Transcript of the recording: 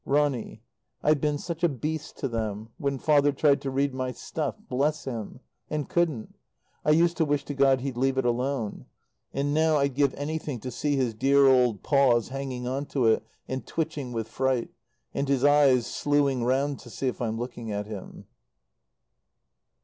Ronny I've been such a beast to them when Father tried to read my stuff bless him! and couldn't, I used to wish to God he'd leave it alone. And now I'd give anything to see his dear old paws hanging on to it and twitching with fright, and his eyes slewing round to see if I'm looking at him.